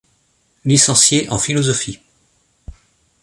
Licenciée en philosophie.